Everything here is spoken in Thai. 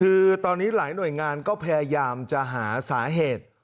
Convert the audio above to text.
คือตอนนี้หลายหน่วยงานก็พยายามจะหาสาเหตุ